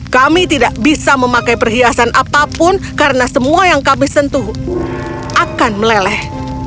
kami tidak bisa memakai perhiasan apapun karena semua yang kami sentuh akan meleleh